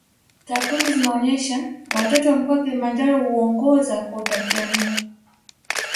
Takwimu zinaonyesha watoto wa mkoa wa Kilimanjaro huongoza kwa utapiamlo